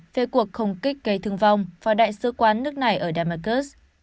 về cuộc không kích gây thương vong vào đại sứ quán nước này ở damascus